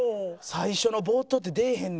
最初の冒頭って出えへん